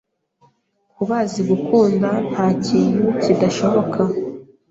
Kubazi gukunda, ntakintu kidashoboka